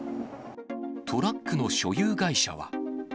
トラックの所有会社は。